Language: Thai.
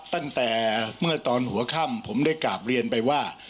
ตั้งแต่เมื่อตอนหัวค่ำผมได้กราบเรียนไปว่า